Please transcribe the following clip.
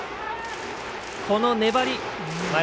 この粘り。